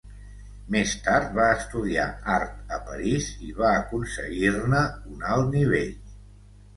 Més tard va estudiar art a París i va aconseguir-ne un alt nivell.